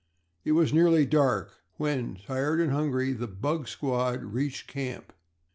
It was nearly dark, when, tired and hungry, the "bug squad" reached camp.